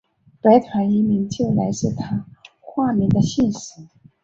白团一名就来自他化名的姓氏。